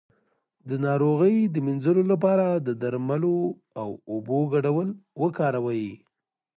د ناروغۍ د مینځلو لپاره د درملو او اوبو ګډول وکاروئ